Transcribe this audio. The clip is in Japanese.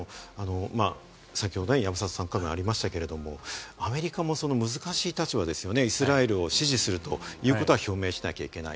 先ほど山里さんからもありましたけれども、アメリカも難しい立場ですよね、イスラエルを支持するということは表明しなきゃいけない。